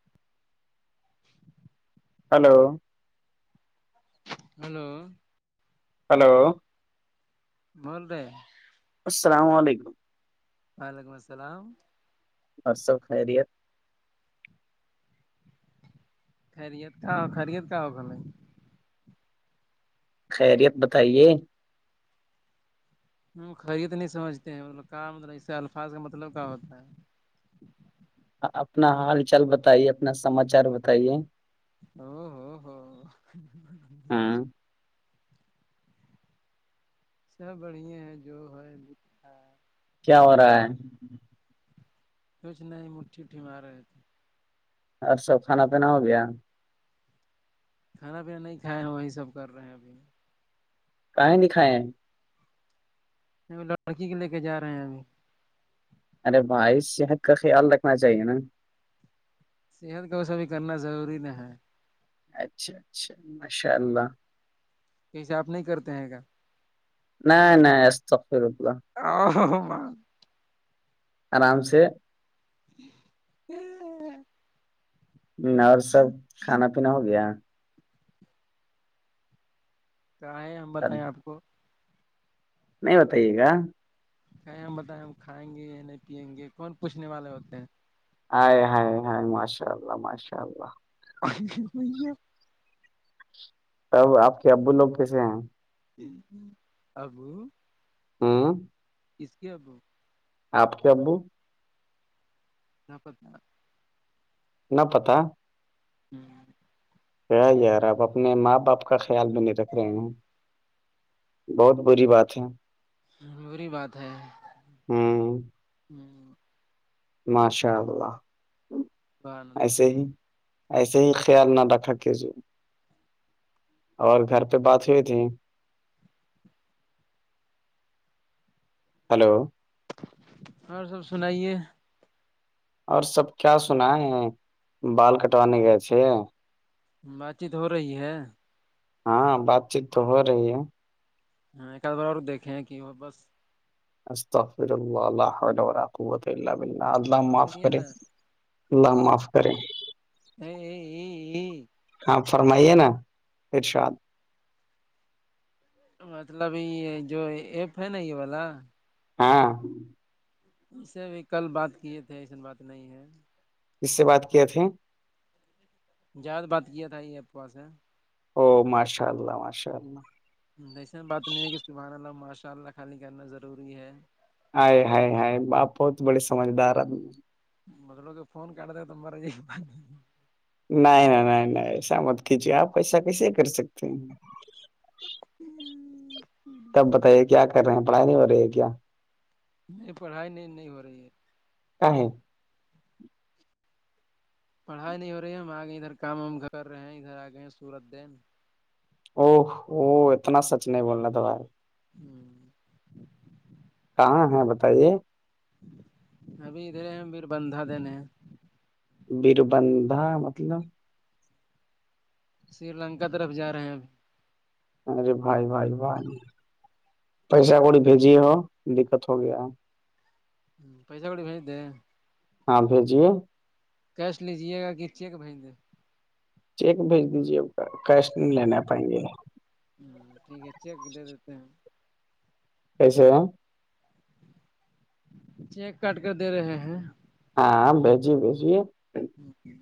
[inaudible] hello hello hello مولرے السلام علیکم وعلیکم السلام اوررصب خیریت خریت کہ خریعت کہ ہو ک ن خیریت بتائیے خرید نہیں سمجھتے ہیں ملب کا مطلب اس سے الفاظ کا مطلب کیا ہوتا ہے اپنا حال چال بتائیے اپنا سماچار بتائیے او ہو ہو ہاں س بڑھے ہیں جو ہے [unintelligible] کیا ہو رہا ہے کچھ نہیں مٹھی اٹھی مار رہے تھے اور سب کھانا پینا ہو گیا کھانا پینا نہیں کھائے ہیں وہی سب کر رہے ہیں ابھی کہیں دکھائے ہیں ا لڑکی کے لے کے جا رہے ہیں ابھی ارے بھائی صحت کا خیال رکھنا چاہیے نا صحت کا اس س بھیھی کرنا ضروری نہ ہے اچھا اچھا ماشاء اللہ کیسے آپ نہیں کرتے ہیں گا نہیں نہیں استغفرللہ [unintelligible] آرام سے [unintelligible] اور سب کھانا پینا ہو گیا کیا ہے ہم بتائیں آپ کو نہیں ہوتائی یہ گ کہیں ہم بتائیں ہم کھائیں گے یا نہیں پیئیں گے کون پوچھنے والے ہوتے ہیں آ ہائے ہائے ماشاء اللہ ماشاء اللہ [unintelligible] تب آپ کے ابو لوگ کیسے ہیں ج ابو ہاں کس کی اب آپ کے ابو کیا پتہ ن پتہ [unintelligible] کیا یار آپ اپنے ماں باپ کا خیال بھی نہیں رکھ رہے ہیں بہت بری بات ہے ہ بری بات ہے ہوں ہ ماشاء اللہ اللہ ایسے ہی ایسے ہی خیال نہ رکھا کیجیے اور گھر پہ بات ہوئی تھی ہلو اور سب سنائیے اور سب کیا سنائے بال کٹوانے گئے تھے بات چیت ہو رہی ہے ہاں بات چیت تو ہو رہی ہے ہاں ایکد بار اور دیکھے ہیں کہ وہ بس استغفرللہ لا حول ولا قوۃ الا باللہ اللہ معاف سنیے کرے نا اللہ معاف کرے [unintelligible] ہاں فرمائیے نا ارشاد مطلب یہ جو ایپ ہے نا یہ والا ہاں اسے بھی کل بات کیے تھے ایسن بات نہیں ہے کیا سے بات کیے تھے جائد بات کیا تھا یہ آپ کواس سے او ماشاء اللہ ماشاء اللہ جیسا بات نہیں ہے کہ صبحان اللہ ماشاء اللہ خالی کرنا ضروری ہے ہائے ہائے ہائے آپ بہت بڑی سمجھدار آدمی ہو مطلب کہ فون کر د تو مارا یہ نہیں نہیں نہیں نہیں ایسا مت کھیچیے آپ ایسا کیسے کر سکتے ہیں [unintelligible] تب بتائیے کیا کر رہے ہیں پڑھائی نہیں ہو رہی ہے کیا نہیں پڑھائی نہیں نہیں ہو رہی ہے کھے پڑھائی نہیں ہو رہی ہے ہم آگے ادھر کام وم کر رہے ہیں ادھر آگئے ہیں سورج دین او ہوو اتنا سچ نہیں بولنا تھا بھائی [unintelligible] کہاں ہے بتائیے ابھی ادھرے بھییر بندھا دینے ہیں بییربندا مطلب سری لنکا طرف جا رہے ہیں اب ارے بھائی بھائی بھائی پیسہ کوڑی بھیجیے ہو دقت ہو گیا ہے ہ پیسا گی بھیے ہاں بھیجیے کیش لیجیے گا کہ چیک بھیہج دے چیک بھیج دیجیے آ کا کیش نہیں لنے پائیں گے ہ ٹھیک ہے چیک دے دیتے ہیں کیسے چیک کاٹ کر دے رہے ہیں ہاں بیجیے بھیجیے اوکے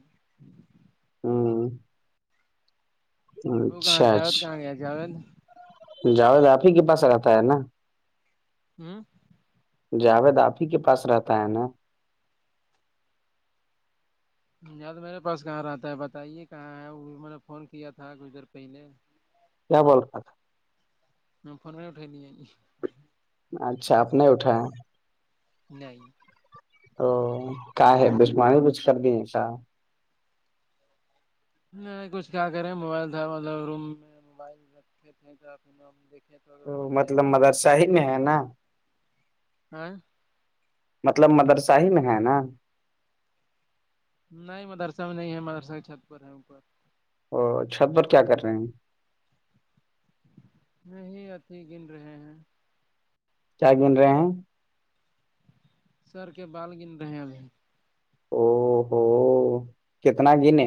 [unintelligible] ت کہاں اچھا چارت کہاں اچھا گیا چارت جاوید آپ ہی کے پاس رہتا ہے نا ہوں جاوید آپ ہی کے پاس رہتا ہے نا یاد میرے پاس کہاں رہتا ہے بتائیے کہاں ہے وہ بھی میں نے فون کیا تھا کچھ دیر پہلے بولق تھا میں فون میں اٹھائی د ہیں ج اچھا اپپ نے اٹھایا [unintelligible] تو کا ہے دشمانی کچھ کر دی کا نہیں کچھ کیا کرے موبائل تھا مطلب روم میں موبائل رکھے تھےھر تو مطلب مدرسہ ہی میں ہے نا [unintelligible] مطلب مدرسہ ہی میں ہے نا نہیں مدرسہ میں نہیں ہے مدرسہ کی چھت پر ہے اوپر او چھت پر کیا کر رہے ہیں یہی اتیھی گن رہے ہیں کیا گن رہے ہیں سر کے بال گن رہے ابھی او ہوو کتنا گنے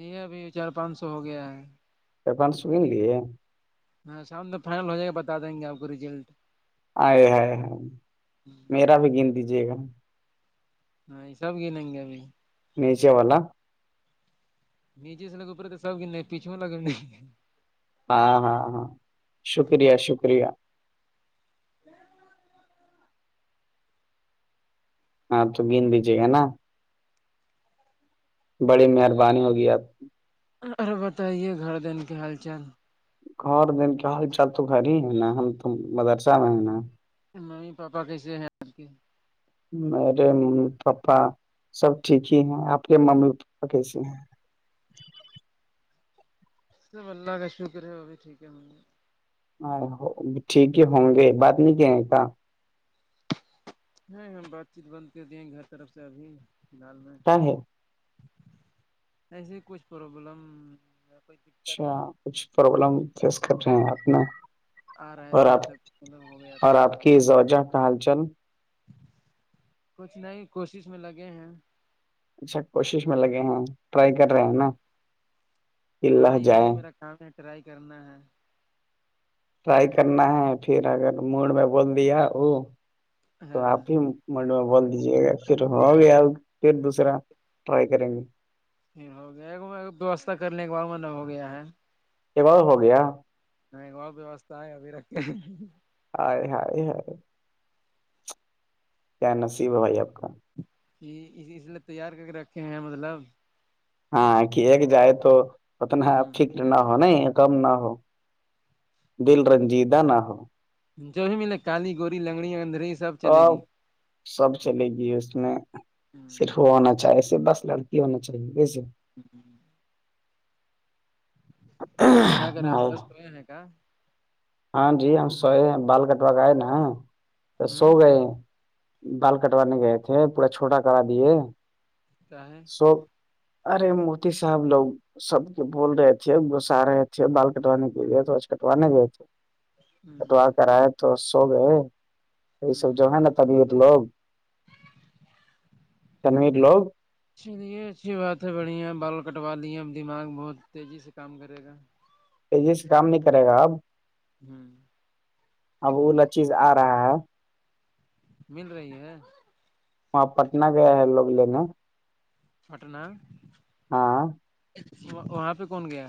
یہ ابھی چار پانچ سو ہو گیا ہے پپان سکن لی ہاں شام تو فائنل ہو جائے گا بتا دیں گے آپ کو ریزلٹ آائے ہائے ہ میرا بھی گن دیجیے گا ہاں یہ سب گنیں گے ابھی نیچے والا می جس لگ اپرے تو سب گنے پچوے لگنے ہاں ہاں ہ ہاں شکریہ شکریہ جی ہاں تو گن دیجیے گا نا بڑی مہربانی ہوگی آپ ارے بتائیے گھر دین کے حال چال اور دن کے حال چال تو گھر ہی ہے نا ہم تو مدرسہ میں ہے نا نہیں پاپا کیسے ہیں آپ کے میرے ممی پاپا سب ٹھیک ہی ہیں آپ کے ممی پپا کیسے ہیں سب اللہ کا شکر ہے وہ بھی ٹھیک ہے ہمے ہاں ٹھیک ہی ہوں گے بات نہیں کہ کیا ہ ہ بات چیت بند کر دی گھر طرف سے ابھی فی الحال میں ہاں ہےاں ایسے کچھ پرابلم یا کوئی دقت اچھا کچھ پرابلم فیس کر رہے ہیں آپ ن آ رہے تھے تب پگ ہو گیا تھا اور آپ کی زوجہ کا حال چل کچھ نئی کوشش میں لگے ہیں اچھا کوشش میں لگے ہیں ٹرائی کر ہ رہے ہیں نا ہاں اللہ یہی جائے ہے میرا کام ہے ٹرائی کرنا ہے ٹرائی کرنا ہے پھر اگر موڈ میں بول دیا ا تو ہاں آپ ہی منڈ میں بول دیجے گا پھر ہو گیا پھر دوسرا ٹرائی کریں گے پھر ہو گیا ہے میں ووستھا کرنے کے بعد میں نہ ہو گیا ہے یہ بار ہو گیا نہیں اور ویوستھا ہے ابھی رکھ کے ہائے ہےائے کیا نصیب ہے بھائی آپ کا ج اس لیے تیار کر کے رکھے ہیں مطلب ہاں کیک جائے تو اتنا ہ ٹھیک نہ ہو نہیں کم نہ ہو دل رنجیدہ نہ ہو جو بھی ملے کالی گوری لنگڑیاں اندری ا سب چلے گی اس میں صرف وہ ہونا چاہے صرف بس لڑکی ہونا چاہیے بے ہوں کیا کرا تھا رس تو نہیںنے کا ہاں جی ہم سوئے بال کٹوا گئے نا تو سو ہ گئے بال کٹوانے گئے تھے پورا چھوٹا کرا دیے چاہیں سو ارے موتی صاحب لو سب کے بول رہے تھے گھسا رہے تھے بال کٹوانے کےئے تھج کٹوانے گئے تھے ہوں کتوا کراائے تو سو گئے یہ سب جو ہوں ہے نا تبیت لوگ تن کے لوگ چلیے اچھی بات ہے بڑھیا بال کٹوا لیے دماغ بہت تیزی سے کام کرے گا انگلش کام نہیں کرے گا اب ہمم اب وہ والا چیز آ رہا ہے مل رہی ہے وہاں پٹنہ گیا ہے لوگ لینے پٹنہ ہاں وہاں پہ کون گیا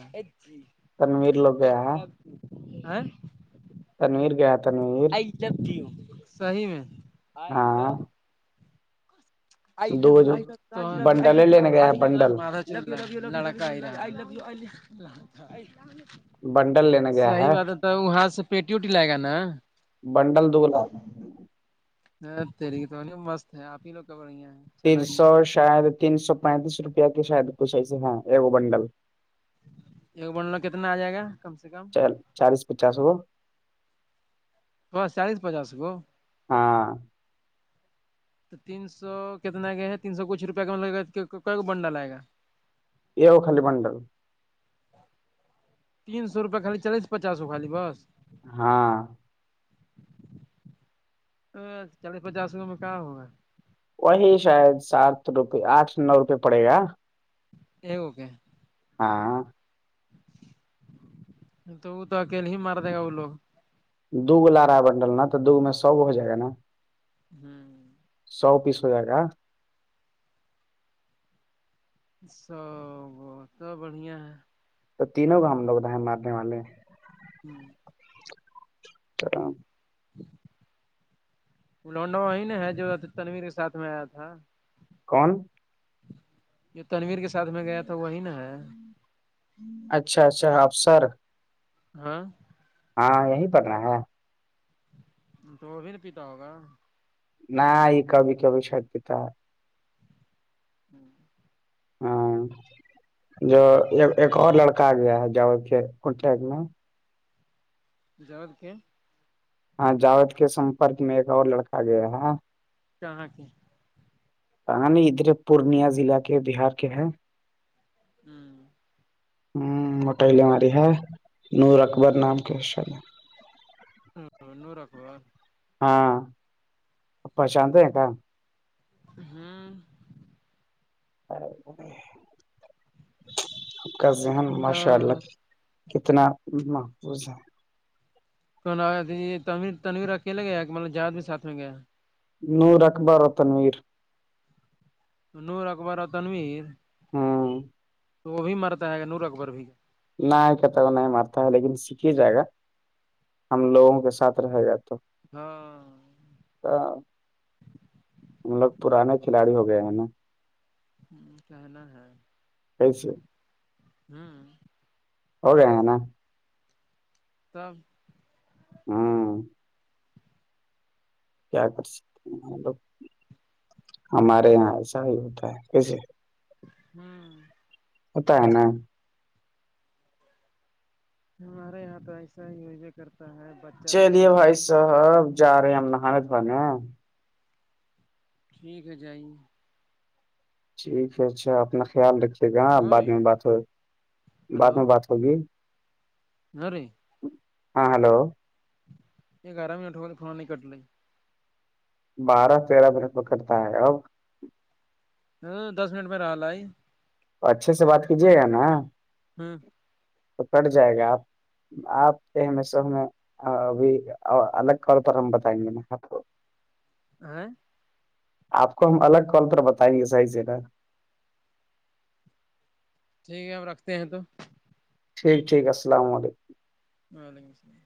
تنویر لوگ گیا ہے [unintelligible] تنویر گیا ہے تنویر آئی صحیح میں آئی لو ہاں [inaudible] دو جو لڑکا بنڈلیں لینے گیا ہے بنڈل ادھر بنڈل لینے گیا صحیح بات ہے تو وہ وہاں سے پیٹی ویٹی لائے گا نا بنڈل دو ہ تیری تو مست ہے آپ ہی لوگ کا بڑھیا ہے تین چلائیے سو شاید تین سو پینتیس روپیہ کے شاید کچھ ایسے ہے وہ بنڈل ایک بنڈل کتنا آ جائے گا کم سے کم چل چالیس پچس اور بس چالیس پچاس کو ہاں تو تین سو کتنا کیا ہے تین سو کچھ روپئے ک لگ گا کو کو بنڈ لائے گا یہ آو خالی بنڈل تین سو روپئے خالی چلیس پچس ہو خالی بس ہاں چالیس پچاس میں کہاں ہوگا وہی شاید سات روپے آٹھ نو روپئے پڑے گا اے ہو گے ہاں پھر تو وہ تو اکے نہیں مار دے گا وہ لوگ دو لا رہا ہے بنڈل نا تو دو میں سو ہو جائے گا نا ہمم ساو پیس ہو جائے گا سو تو بڑھیا ہے تو تینوں کو ہم لوگ ہے مارنے والے ہیں ہمم [unintelligible] لوڈا وہی نا ہے جو تنویر کے ساتھ میں آیا تھا کون یہ تنویر کے ساتھ میں گیا تھا وہی نا ہے اچھا اچھا افسر ہاں ہاں یہی پڑ رہا ہے تو وہ بھی تو پیتا ہوگا نہیں کبھی کبھی شٹ پتا ہے ہممم ہاں جو ایک ایک اور لڑکا گیا ہے جاوید کے ہوٹل میں جاوید کے ہاں جاوید کے سمپرک میں ایک اور لڑکا گیا ہے کہاں کے ادھر پورنیاز ضلع کے بہار کے ہے ہمم ہمم وہٹیہلے ہماری ہے نور اکبر نام کے ہے شاید ہاں نور اکبر ہاں پرشانت ہے کیاا ہاں آپ کا ذہن ماشاء اللہ ہ کتنا محفوظ ہے یہ تنیر تنویر اکیلے گیا کہ مطلب جاد بھی ساتھ میں گیا نور اخبار و تنویر تو نور اکبر اور تنویر ہوں تو وہ بھی مرتا ہے گا نور اکبر بھی کا نہیں کہتا نہیں مارتا ہے لیکن سیک ہی جائے گا ہم لوگوں کے ساتھ رہ گا تو ہاں ہم لوگ پرانے کھلاڑی ہو گئے ہیں نا ہ کہنا ہے کیسے ہوں ہوگا ہیں نا تب ہاں کیا کر سکتے ہیں ہم لوگ ہمارے یہاں ایسا ہی ہوتا ہے کیسے ہاں ہوتا ہے نا ہمارے یہاں تو ایسا ہی ہویا کرتا ہے بچہ رہے چلیے بوڑھا بھائی صاحب جا رہے ہیں ہم نہانے دھونے ٹھیک ہے جائیے ٹھیک ہے اچھا اپنا خیال رکھیے گا بعد نوری میں بات ہو بعد میں بات ہوگی ہ ری ہاں ہلو ایک گرام اٹو تو خھنا نہیں کٹل بارہ تیرہ منٹ پکڑتا ہے اب ہوں دس منٹ میں رہ ہے تو اچھے سے بات کیجے گا نا ہوں تو کٹ جائے گا آپ آپ کے س ہمیں ابھی الگ طور پر ہم بتائیں گے آپ کو ہ آپ کو ہم الگ کال پر بتائیں گے صحیح جگہ ٹھیک ہے ہم رکھتے ہیں تو ٹھیک ٹھیک السلام علیکم وعلیکم السلام